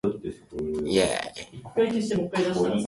北海道訓子府町